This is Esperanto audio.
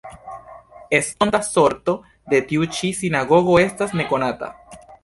Estonta sorto de tiu ĉi sinagogo estas nekonata.